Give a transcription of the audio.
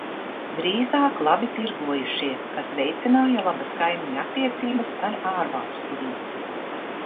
Drīzāk labi tirgojušies, kas veicināja labas kaimiņu attiecības ar ārvalstīm.